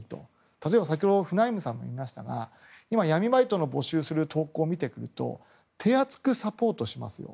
例えば、先ほどフナイムさんがいましたが今、闇バイトの募集をする投稿を見てみると手厚くサポートします